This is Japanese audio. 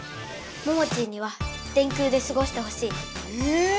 モモチーには電空ですごしてほしい。え！